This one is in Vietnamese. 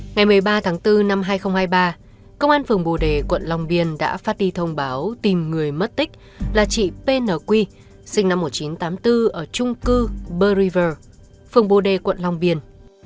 ngày một mươi ba tháng bốn năm hai nghìn hai mươi ba công an phường bồ đề quận long biên đã phát đi thông báo tìm người mất tích là chị pnq sinh năm một nghìn chín trăm tám mươi bốn ở trung cư ber river phường bồ đê quận long biên